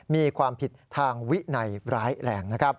มีความผิดทางวินัยร้ายแรงนะครับ